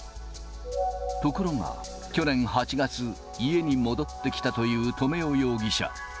ところが去年８月、家に戻ってきたという留与容疑者。